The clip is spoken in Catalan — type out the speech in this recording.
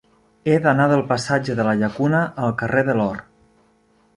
He d'anar del passatge de la Llacuna al carrer de l'Or.